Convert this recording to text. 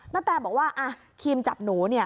นาแตบอกว่าครีมจับหนู